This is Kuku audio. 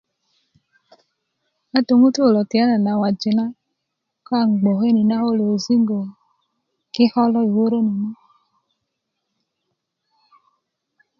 ajuk ŋutuu kulo tiyana woji na kaŋ gboke ni na ko kulo yujiŋgö kiko' lo i wöröni ni